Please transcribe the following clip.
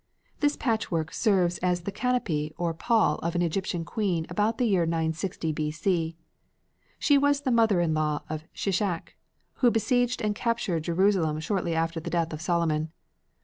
This patchwork served as the canopy or pall of an Egyptian queen about the year 960 B. C. She was the mother in law of Shishak, who besieged and captured Jerusalem shortly after the death of Solomon.